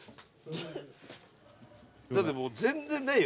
だってもう全然ないよ。